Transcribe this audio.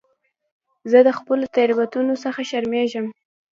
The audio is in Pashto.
زه د خپلو تېروتنو څخه شرمېږم.